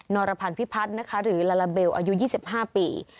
รพันธ์พิพัฒน์นะคะหรือลาลาเบลอายุ๒๕ปี